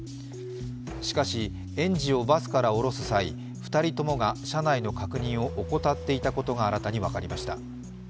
しかし、園児をバスから降ろす際２人ともが車内の確認を怠っていたことが新たに分かりました。